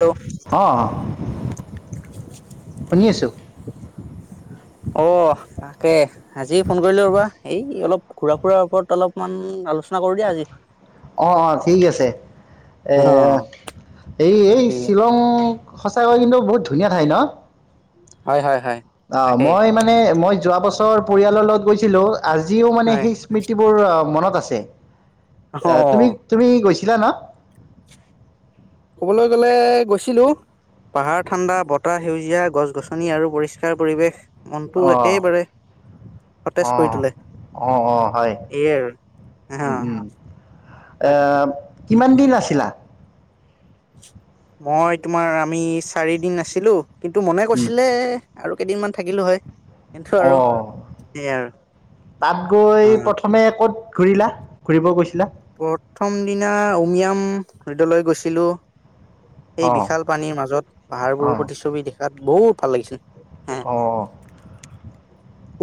Hello অ শুনি আছো। অ তাকে আজি ফোন কৰিলো ৰ'বা এই অলপ ঘুৰা-ফুুৰাৰ ওপৰত অলপমান আলোচনা কৰো দিয়া আজি। অ অ ঠিক আছে, এ অ' এই এই বাকী শ্বিলং সঁচাকৈ কিন্তু বহুত ধুনীয়া ঠাই ন? হয়, হয়, হয়। অ তাকেই মই মানে মই যোৱা বছৰ পৰিয়ালৰ লগত গৈছিলো, আজিও মানে হয় সেই স্মৃতিবোৰ মনত আছে, তুমি অ' তুমি গৈছিলা না? ক'বলৈ গ'লে গৈছিলো। পাহাৰ ঠাণ্ডা, বতাহ সেউজীয়া, গছ-গছনি আৰু পৰিষ্কাৰ পৰিৱেশ মনটো একেবাৰে সতেজ অ, কৰি তোলে অ অ হয়, এইয়ে আৰু হা উম উম। এ বাকী কিমান দিন আছিলা? মই তোমাৰ আমি চাৰিদিন আাছিলো, কিন্তু মনে উম, কৈছিলে আৰু কেইদিনমান থাকিলো হয়। কিন্তু অ আৰু সেইয়াই আৰু তাত গৈ অ' প্ৰথমে ক'ত ঘূৰিলা? ঘুৰিব গৈছিলা? প্ৰথম দিনা উমিয়াম হৃদলৈ গৈছিলো। সেই অঁ বিশাল পানীৰ মাজত, পাহাৰবোৰৰ অঁ প্ৰতিছবি দেখাত বহুত ভাল লাগিছিল। হ অ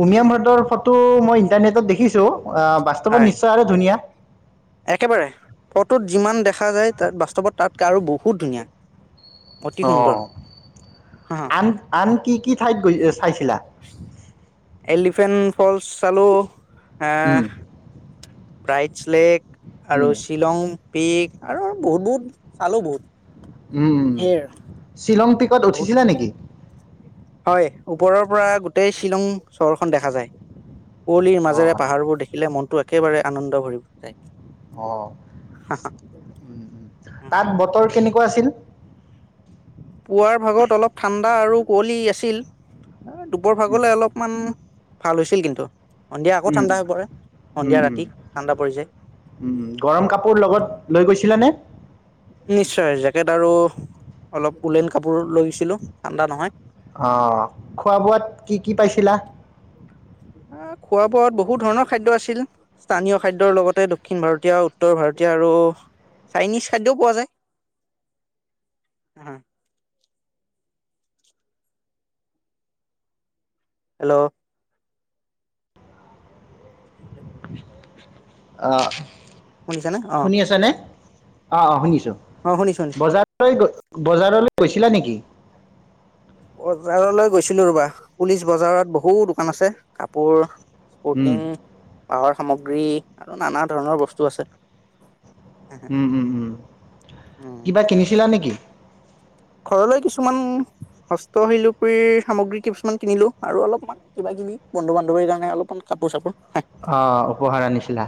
উমিয়া হ্ৰদৰ ফটো মই ইণ্টাৰনেটত দেখিছোঁ। আ বাস্তৱত হয় নিশ্চয় আৰু ধুনীয়া? একেবাৰে, ফটোত যিমান দেখা যায়, তাত বাস্তৱত তাতৈ আৰু বহুত ধুনীয়া। অতি অ সুন্দৰ হা আন আন কি কি ঠাইত গৈ চাইছিলা? এলিফেণ্ট ফলচ চালো উম আহ ব্ৰাইট ছেলেক উম আৰু- শ্বিলং, পিক আৰু বহুত-বহুত চালোঁ বহুত। উম-উম। সেই শ্বিলং পিকট বহুত উঠিছিলে নেকি? হয়, ওপৰৰ পৰা গোটেই শ্বিলং চহৰখন দেখা যায়। কুঁৱলীৰ মাজেৰে অঁ পাহাৰবোৰ দেখিলে মনটো একেবাৰে আনন্দ ভৰি যায়। অ', যায় তা'ত বতৰ কেনেকুৱা আছিল? পুৱাৰ ভাগত অলপ ঠাণ্ডা আৰু কুৱলি আছিল, আ' দুপৰ উম ভাগলে অলপ- অলপমান ভাল হৈছিল কিন্তু। সন্ধিয়া আকৌ উম ঠাণ্ডা হৈ পৰে, উম উম সন্ধিয়া উম, ৰাতি ঠাণ্ডা পৰি যায়। উম, গৰম কাপোৰ লগত লৈ গৈছিলা নে? নিশ্চয়, জেকেট আৰু অলপ উলেন কাপোৰ লৈ গৈছিলো। ঠাণ্ডা নহয়। অ', উম। খোৱা-বোৱাত কি কি পাইছিলা? আ' খোৱা-বোৱাত বহুত ধৰণৰ খাদ্য আছিল। স্থানীয় খাদ্যৰ লগতে, দক্ষিণ ভাৰতীয়, উত্তৰ ভাৰতীয় আৰু- চাইনিজ খাদ্যও পোৱা যায়, অ'। হেল্ল'। [unintelligible] অঁ', শুনিছানে অ শুনি আছ নে? অঁ', -অঁ', শুনিছোঁ। অ', শুনিছো-শুনিছো। [unintelligible] বজাৰলৈ গৈছিলা নেকি? বজাৰলৈ গৈছিলো ৰ'বা পুলিচ বজাৰত বহুত দোকান আছে কাপোৰ- উম স্পৰ্টিং, বাঁহৰ সামগ্ৰী আৰু নানা ধৰণৰ বস্তু আছে। উম'-হুম-হুম। উম। কিবা কিনিছিলা নেকি? ঘৰলৈ কিছুমান হস্ত শিলুপৰি সামগ্ৰী কিছুমান কিনিলো আৰু অলপমান- কিবা-কিবি বন্ধু-বান্ধৱীৰ কাৰণে অলপমান কাপোৰ-চাপোৰ হয়। অ', উপহাৰ আনিছিলা।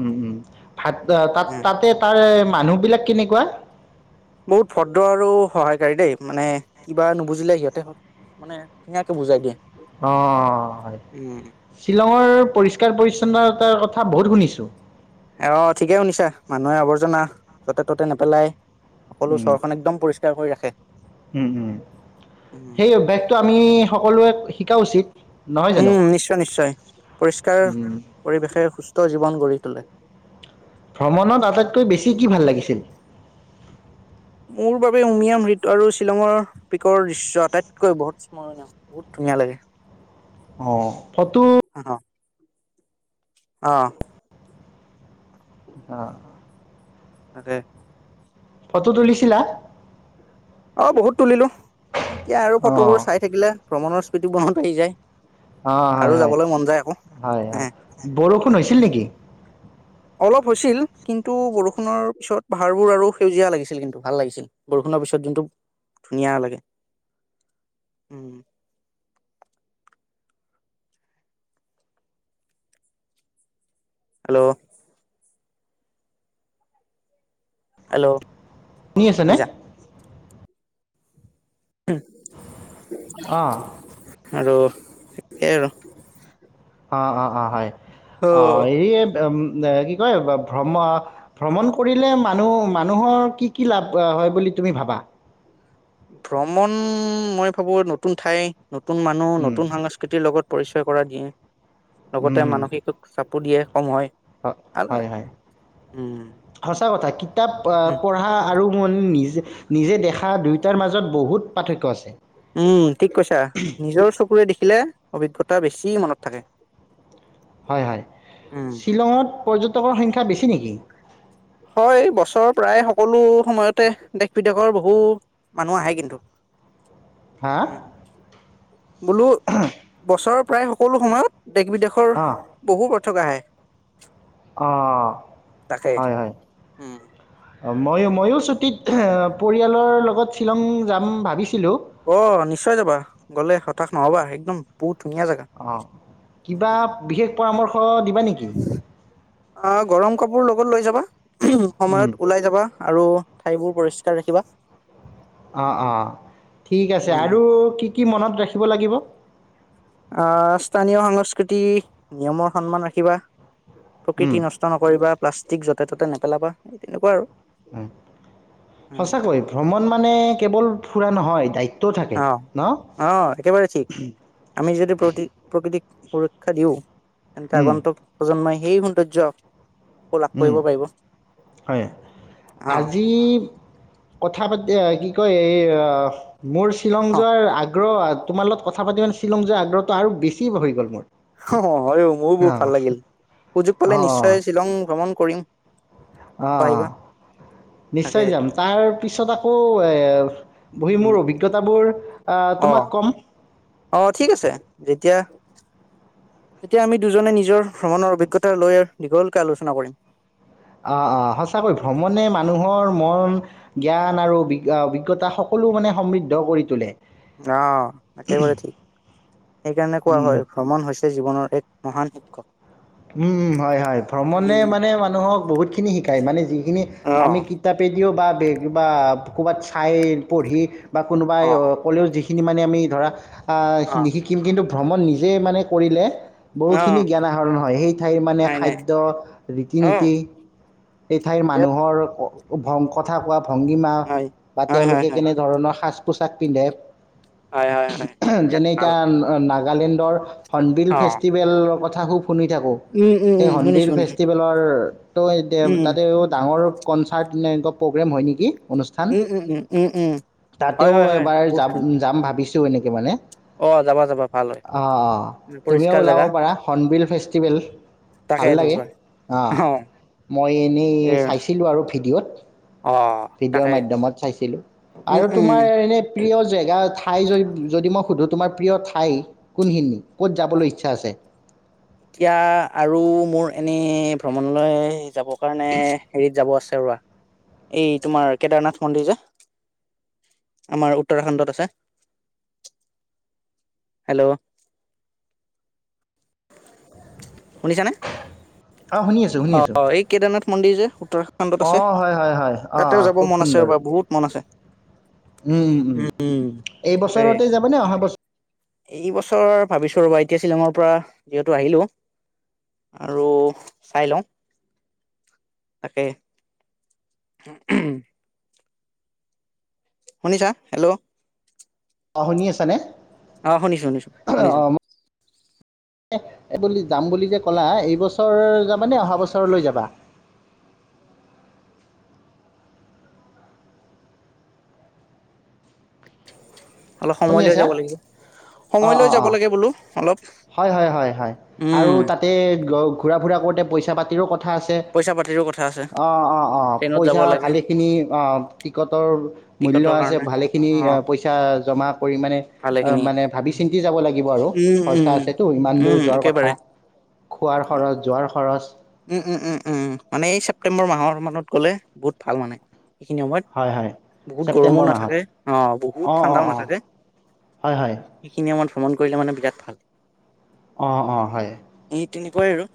উম-উম, ভাত তা'ত তা'তেই- তাৰে মানুহবিলাক কেনেকুৱা? বহুত ভদ্ৰ আৰু সহায়কাৰী দেই, মানে কিবা নুবুজিলে সিহঁতে মানে ধুনীয়াকে বুজাই দিয়ে। অঁ', -অঁহ', হয়। উম। শ্বিলংৰ পৰিষ্কাৰ-পৰিচ্ছন্নতাৰ কথা বহুত শুনিছো। অ', -অ', ঠিকে শুনিছা, মানুহে আৱৰ্জনা য'তে-ত'তে নেপেলাই সকলো চহৰখন একদম পৰি- স্কাৰ কৰি ৰাখে। উম-উম। উম। সেই অভ্যাসটো আমি সকলোৱে শিকা উচিত। নহয় জানো? উমঁ, নিশ্চয়-নিশ্চয়, পৰিষ্কাৰ উম। পৰিৱেশে সুস্থ জীৱন গঢ়ি তোলে। ভ্ৰমণত আটাইতকৈ বেছি কি ভাল লাগিছে? মোৰ বাবে উমিয়াম হৃদ আৰু শ্বিলঙৰ পিকৰ দৃশ্য আটাইতকৈ বহুত স্মৰণীয়। বহুত ধুনীয়া লাগে। অঁ', ফটো [inaudible] অ',। অ',। তাকে। ফটো তুলিছিলা? অ' বহুত তুলিলো, এতিয়া আৰু ফটোবোৰ অ' চাই থাকিলে ভ্ৰমণৰ স্মৃতি মনত আহি যায়। আৰু অ'হয়, হয়, যাবলৈ মন যায় আকৌ হয়, হে হয়, বৰষুণ হৈছিল নেকি? অলপ হৈছিল কিন্তু বৰষুণৰ পিছত পাহাৰবোৰ আৰু সেউজীয়া লাগিছিল কিন্তু ভাল লাগিছিল। বৰষুণৰ পিছত কিন্তু ধুনীয়া লাগে উম, এল্ল' এল' শুনি আছে নে? অ'। আৰু সেই আৰু অ'অ'অ'হয় অ' [unintelligible] কি কয় ভ্ৰম ভ্ৰমণ কৰিলে মানুহ-মানুহৰ কি, কি লাভ হয় বুলি তুমি ভাবা? ভ্ৰমণ মই ভাবো নতুন ঠাই, নতুন মানুহ, উম, নতুন সাংস্কৃতিৰ লগত পৰিচয় কৰাই দিয়ে উম, লগতে হুম। মানসিক চাপো দিয়ে কম হয়। ভাল হয়, আৰু হয়। উম সঁচা কথা কিতাপ অ' উম পঢ়া আৰু [unintelligible] নিজে- নিজে দেখা দুয়োটাৰ মাজত বহুত পাৰ্থক্য আছে। উম, ঠিক কৈছা নিজৰ চকুৰে দেখিলে অভিজ্ঞতা বেছি মনত থাকে। হয়, হয় উম শ্বিলঙত পৰ্যটকৰ সংখ্যা বেছি নেকি? হয় বছৰৰ প্ৰায় সকলো সময়তে দেশ- বিদেশৰ বহু মানুহ আহে কিন্তু। হা [inaudible] উম, বোলো বছৰৰ প্ৰায় সকলো সময়ত দেশ- বিদেশ শৰ অঁ বহু পঠক আহে। তাকে অ'হয়, হয়। উম, অ' মইয়ো-মইয়ো ছুটীত পৰিয়ালৰ লগত শ্বিলং যাম ভাবিছিলোঁ অ' নিশ্চয় যাবা গ'লে হতাশ ন'হবা একদম বহুত ধুনীয়া জাগা। অ' কিবা বিশেষ পৰামৰ্শ দিবা নেকি? অ'গৰম কাপোৰ লগত লৈ যাবা সময়ত ওলাই যাবা। আৰু ঠাইবোৰ পৰিষ্কাৰ ৰাখিবা। উম অ'অ' ঠিক আছে উম আৰু কি, কি মনত ৰাখিব লাগিব? অ'স্থানীয় সংস্কৃতি নিয়মৰ সন্মান ৰাখিবা উম, প্ৰকৃতি নষ্ট নষ্ট নকৰিবা প্লাষ্টিক য'তে-ত'তে নেপেলাবা এই তেনেকুৱা আৰু হুম সঁচাকৈ ভ্ৰমণ মানে কেৱল ফুৰা নহয় দায়িত অ' অ'একেবাৰে ঠিক। আমি যদি প্ৰতি প্ৰকৃতিক সুৰক্ষা দিওঁ তেন্তে উম, আগন্তুক প্ৰজন্মই হেই সৌন্দয্য উম, হয় অ আজি কথা পাতি অ' কি কয় এই অ' মোৰ শ্বিলং যোৱাৰ আগ আগ্ৰহ আ তোমাৰ লগত কথা পাতি মানে শ্বিলং যোৱা আগ্ৰহটো আৰু বেছি হৈ গ'ল মোৰ। [unintelligible] হয়ওঁ মোৰো বহুত অঁ ভাল লাগিল সুযোগ পালে অঁ নিশ্চয় শ্বিলং ভ্ৰমণ কৰিম অ' অ' আহিবা অ' তাকে নিশ্চয় যাম তাৰ পিছত আকৌ এ বহি উম মোৰ অভিগ অভিজ্ঞতাবোৰ অ অ'তোমাক ক'ম। অ' ঠিক আছে যেতিয়া তেতিয়া আমি দুজনে নিজৰ ভ্ৰমণৰ অভিজ্ঞতা লৈ দীঘলকে আলোচনা কৰিম। অ'অ' সঁচাকৈ ভ্ৰমণে মানুহৰ মন জ্ঞান আৰু অভি-অভিজ্ঞতা সকলো মানে সমৃদ্ধ কৰি তোলে। অ'একেবাৰে ঠিক সেইকাৰণে কোৱা উম, উম। হয় ভ্ৰমণ হৈছে জীৱনৰ এক মহান উৎস। উম উম হয় হয় ভ্ৰমণে মানে মানুহক বহুতখিনি শিকায় মানে যিখিনি আমি অ', কি তা পিদিও বা বেগ বা ক'ৰবাত চাই পঢ়ি বা কোনোবাই অ ক'লেও যিখিনি মানে আমি ধৰা আ অ', নিশিকিম কিন্তু ভ্ৰমণ নিজে মানে কৰিলে। বহুখিনি অ', জ্ঞান আহৰণ হয় সেই ঠাইৰ মানে নাই নাই খাদ্য ৰীতি অ', নীতি। [inaudible] এই ঠাইৰ বিৰাট মানুহৰ ভঙ্গ কথা কোৱা। ভংগীমা হয়। বা হয়, হয়, তেওঁলোকে হয়, কেনেধৰণৰ সাজ পোছাক পিন্ধে। হয়, হয়, হয়, বিৰাট যেনে ভাল এতিয়া নাগালেণ্ডৰ হ অ', ফেষ্টি ৱেল কথা হুব শুনি থাকো উম, উম, সেই উম, শুনিছো সনবিল শুনিছো ফেষ্টি লৰ ত এতিয়া উম, তাতে ডাঙৰ কনচাৰ্ট এনেকুৱা প্ৰগ্ৰেম হয় নেকি। অনুষ্ঠান উম, উম, উম, উম, উম, হয়, তাতেও হয়, হয়, এবাৰ বহুত যাম ধুন যাম ভাবিছো এনেকে মানে। অ', যাবা যাবা ভাল হয়। অ তুমিও পৰিষ্কাৰ ওলাব জেগা পাৰা হণবিল ফেষ্টিভেল। ভাল তাকেইতো লাগে অঁ অ', মই এনেই এ চাইছিলোঁ আৰু ভিডিঅ'ত। অ', ভিডিঅ'ৰ তাকে মাধ্যমত চাইছিলো উম, আৰু উম, তোমাৰ এনে প্ৰিয় জেগা ঠাই য যদি মই সুধো তোমাৰ প্ৰিয় ঠাই। কোনখিনি ক'ত যাবলৈ ইচ্ছা আছে? এতিয়া আৰু মোৰ এনেই ভ্ৰমণলৈ যাব কাৰণে হেৰিৰিত যাব আছে ৰবা। এই তোমাৰ কেদাৰনাথ মন্দিৰ যে, আমাৰ উত্তৰাখণ্ডত আছে। হেল্ল' শুনিছানে? অঁ শুনি আছোঁ শুনি অ আছোঁ এই কেদাৰনাথ মন্দিৰ যে উত্তৰা খান্দত আছে অঁ হয় হয় হয় অঁ তাতেও অঁ যাব খুব মন আছে সুন্দৰ ৰবা বহুত মন আছে। উম উম এই তাকে বছৰতে যাব নে অহা বছ এই বছৰ ভাবিছো ৰ'বা এতিয়া শ্বিলঙৰ পৰা যিহেতু আহিলো। আৰু চাই লওঁ তাকে। [unintelligible] শুনিছা হেল্ল'? অ শুনি আছা নে? অ শুনিছো শুনিছো শুনিছো। এ বুলি যাম বুলি যে ক'লা এইবছৰ যাবানে অহা বছৰলৈ যাবা? অলপ সময় শুনি লৈ আছা যাব লাগিব অঁ সময় লৈ অঁ যাব অঁ লাগে বোলো অলপ। হয়, হয়, হয়, হয় আৰু উম তাতে ঘূৰা, ফুৰা কৰোঁতে পইচা পাতিৰো কথা আছে। পইচা পাতিৰো কথা আছে অ, অ, অ ট্ৰেইনত যাব পইচা লাগে ভালেখিনি অ টিকটৰ মূল্য টিকটৰ আছে কাৰণে ভালেখিনি অ পইচা জমা কৰি মানে ভালেখিনি মানে ভাবি চিন্তি যাব লাগিব আৰু। উম খৰচা উম আছেতো ইমান দূৰ উম যোৱাৰ একেবাৰে কথা খোৱাৰ খৰচ যোৱাৰ খৰচ। উম, উম, উম, উম, মানে এই ছেপ্টেম্বৰ মাহৰ মানত গ'লে বহুত ভাল মানে হেখিনি সময়ত। হয় হয় বহুত গৰমো ছেপ্টেম্বৰ মাহত নাথাকে অ বহুত অঁ অঁ ঠাণ্ডাও অঁ নাথাকে। হয় হয় সেইখিনি আমাৰ ভ্ৰমণ কৰিলে মানে বিৰাট ভাল। অঁ, অঁ হয়। ই তেনেকুৱাই আৰু।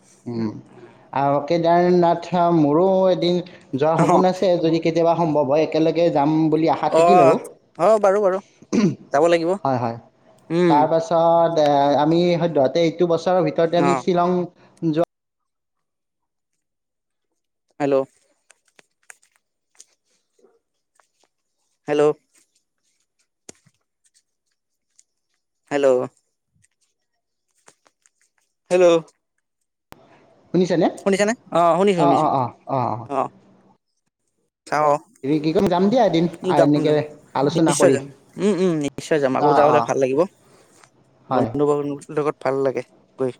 আৰু কেদাৰনাথ মোৰো এদিন যোৱাৰ অ', সপোন আছে যদি কেতিয়াবা সম্ভৱ হয়, একেল গে জাম বুলি আশা থাকিল অ', আৰু অ', বাৰু বাৰু যাব লাগিব হয় হয়। উম,। ছত [inaudible] আমি সদ্যহতে এইটো বছৰ ভিতৰতে আমি অ'। শ্বিলং যোৱ হেল্ল'অ হেল্ল'অ হেল্ল' হেল্ল' শুনিছেনে? শুনিছা নে অ শুনিছোঁ, অ' অ' শুনিছোঁ অ' অ। হেৰি কি কয় দিয়া এদিন যাম আ, এনেকে যাম আলোচনা নিশ্চয় কৰি যাম, উম, উম নিশ্চয় যাম আকৌ অ' যাবলে অ' ভাল লাগিব। হয় বন্ধু বান্ধৱুৰ লগত ভাল লাগে গৈ।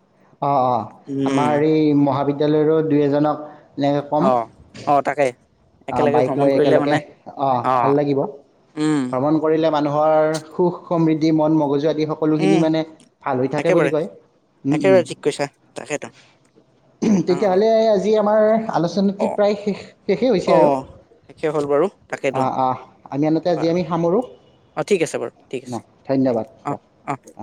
অ অ উম, আমাৰ এই মহাবিদায়ালয়ৰো দুই এজনক অ অ তাকেই। অ বাইক লৈ একেলগে অ ভাল লাগিব উম ভ্ৰমণ কৰিলে মানুহৰ সুখ সমৃদ্ধি মন মগজু একদম সকলোখিনি উম মানে ভাল হৈ থাকে একেবাৰে বুলি কয় উম, উম। একেবাৰে ঠিক কৈছা তাকেতো অ তেতিয়াহ'লে আজি আমাৰ আলোচনীটি প্ৰায় শেষ শেষেই হৈছে আৰু। শেষেই হ'ল বাৰু তাকেইতো আহ আহ আমি আনহাতে আজি বাৰু। আমি সামৰোঁ অঁ ঠিক আছে, বাৰু ঠিক ন আছে ধন্যবাদ অ অঁ। দিয়ক